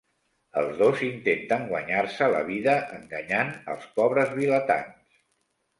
Els dos intenten guanyar-se la vida enganyant als pobres vilatans.